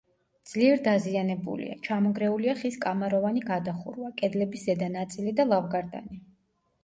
ძლიერ დაზიანებულია: ჩამონგრეულია ხის კამაროვანი გადახურვა, კედლების ზედა ნაწილი და ლავგარდანი.